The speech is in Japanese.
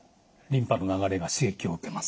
リンパの流れが刺激を受けます。